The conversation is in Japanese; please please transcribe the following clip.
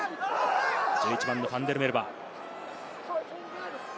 １１番のファンデルメルヴァ。